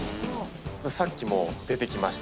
さっきも出てきました。